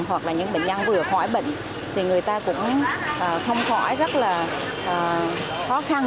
hoặc là những bệnh nhân vừa khỏi bệnh thì người ta cũng không khỏi rất là khó khăn